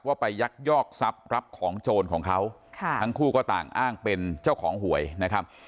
ไปยักยอกทรัพย์รับของโจรของเขาค่ะทั้งคู่ก็ต่างอ้างเป็นเจ้าของหวยนะครับ